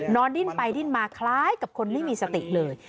ดิ้นไปดิ้นมาคล้ายกับคนไม่มีสติเลย